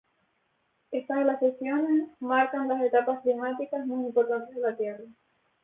Estas glaciaciones marcan las etapas climáticas más importantes de la Tierra.